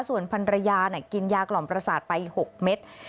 ส่วนพันรยากินยากล่อมประสาทไป๖เม็ด